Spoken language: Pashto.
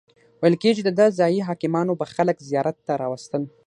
ویل کیږي دده ځایي حاکمانو به خلک زیارت ته راوستل.